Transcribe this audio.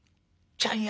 ちゃんや。